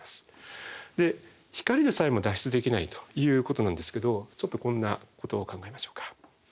光でさえも脱出できないということなんですけどちょっとこんなことを考えましょうか。